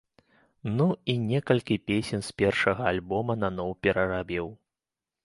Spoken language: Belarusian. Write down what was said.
Ну, і некалькі песень з першага альбома наноў перарабіў.